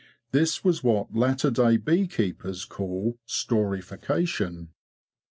This was what latter day bee keepers call '' storification.